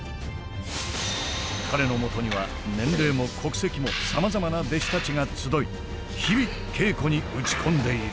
彼のもとには年齢も国籍もさまざまな弟子たちが集い日々稽古に打ち込んでいる。